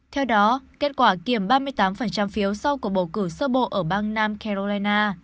theo đó kết quả kiểm ba mươi tám phiếu sau cuộc bầu cử sơ bộ ở bang nam carolina